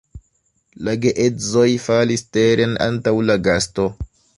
La geedzoj falis teren antaŭ la gasto.